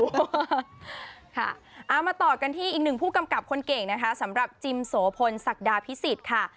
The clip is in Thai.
เอามาต่อกันที่อีกหนึ่งผู้กำกับคนเก่งนะคะสำหรับจิมโสพลศักดาพิสิทธิ์ค่ะ